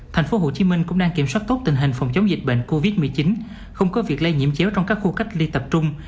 tp hcm cũng đang kiểm soát tốt tình hình phòng chống dịch bệnh covid một mươi chín không có việc lây nhiễm chéo trong các khu cách ly tập trung